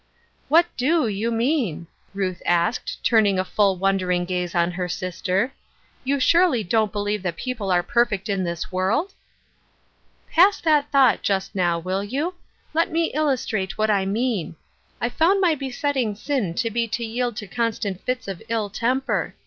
"What do you mean?" Ruth asked, turning a full, wondering gaze on her sister. " You surely don't believe that people are perfect in this world ?"" Pass that thought, just now, will you ? Let me illustrate what I mean. I found my beset ^mg sin to be to yield to constant hfcs of ill temper.